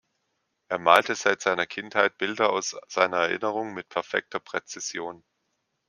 Er malte seit seiner Kindheit Bilder aus seiner Erinnerung mit perfekter Präzision.